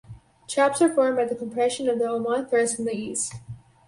Traps are formed by the compression of the Oman Thrust in the east.